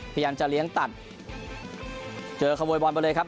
พยายามจะเลี้ยงตัดเจอขโมยบอลไปเลยครับ